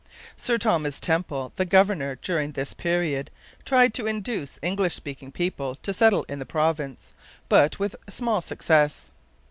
Sir Thomas Temple, the governor during this period, tried to induce English speaking people to settle in the province, but with small success.